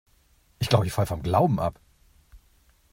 Ich glaube, ich falle vom Glauben ab.